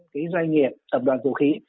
cái doanh nghiệp tập đoàn vũ khí